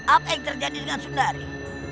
apa yang terjadi dengan sundari